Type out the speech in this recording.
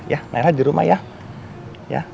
ya merah di rumah ya